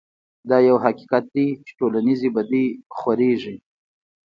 دا يو حقيقت دی چې ټولنيزې بدۍ خورېږي.